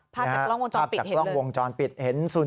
ภาพจากกล้องวงจรปิดเห็นสุด